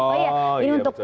oh iya betul betul